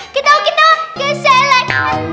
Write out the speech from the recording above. kitau kitau geselen